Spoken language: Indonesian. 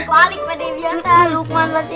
balik pakde biasa lukman pakde